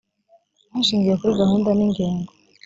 hashingiwe kuri gahunda n ingengo